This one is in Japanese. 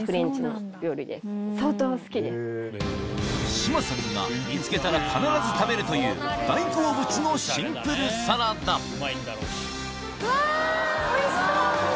志麻さんが見つけたら必ず食べるという大好物のシンプルサラダうわ！